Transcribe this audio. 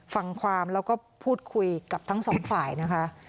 ฟังความแล้วก็พูดคุยกับทั้งสองฝ่ายนะคะ